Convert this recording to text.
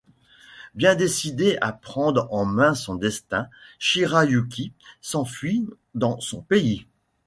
Bien décidée à prendre en main son destin, Shirayuki s'enfuit de son pays.